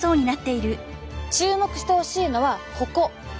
注目してほしいのはここ。